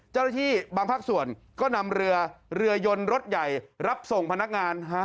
เจ้าหน้าที่บางภาคส่วนก็นำเรือเรือยนรถใหญ่รับส่งพนักงาน